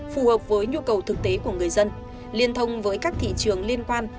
phù hợp với nhu cầu thực tế của người dân liên thông với các thị trường liên quan